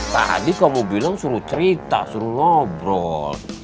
tadi kamu bilang suruh cerita suruh ngobrol